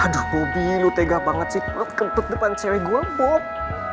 aduh bobi lu tega banget sih perut kentut depan cewek gue